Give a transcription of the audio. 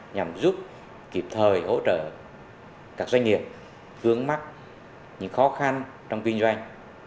nhằm giúp kịp thời hỗ trợ các doanh nghiệp vướng mắt những khó khăn trong kinh doanh